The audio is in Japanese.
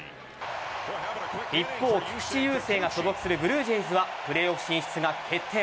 一方、菊池雄星が所属するブルージェイズはプレーオフ進出が決定。